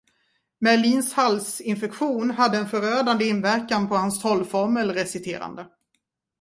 Merlins halsinfektion hade en förödande inverkan på hans trollformel-reciterande.